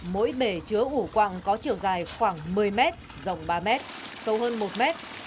mỗi bể chứa ủ quạng có chiều dài khoảng một mươi mét dòng ba mét sâu hơn một mét